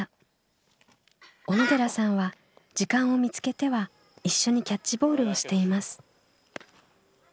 小野寺さんは時間を見つけては一緒にキャッチボールをしています。